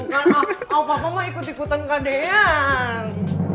tidak apa apa mah ikut ikutan kak dian